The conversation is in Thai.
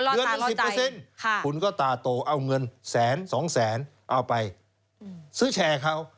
เดือนหนึ่ง๑๐คุณก็ตาโตเอาเงินแสนสองแสนเอาไปซื้อแชร์เขา